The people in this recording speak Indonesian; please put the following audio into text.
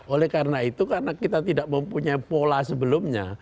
oleh karena itu karena kita tidak mempunyai pola sebelumnya